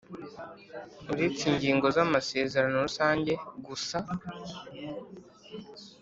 Uretse ingingo z amasezerano rusange gusa